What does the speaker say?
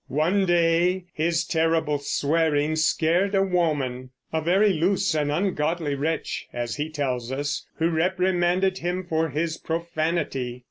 One day his terrible swearing scared a woman, "a very loose and ungodly wretch," as he tells us, who reprimanded him for his profanity.